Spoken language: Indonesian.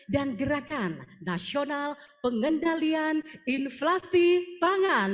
dan gerakan nasional pengendalian inflasi pangan